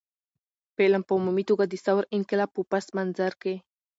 فلم په عمومي توګه د ثور انقلاب په پس منظر کښې